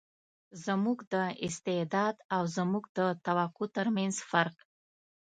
زموږ د استعداد او زموږ د توقع تر منځ فرق.